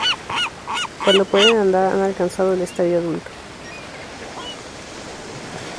Cuando pueden andar han alcanzado el estadio adulto.